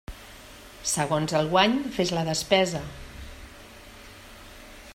Segons el guany fes la despesa.